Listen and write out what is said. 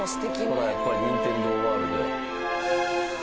ほらやっぱりニンテンドー・ワールドや。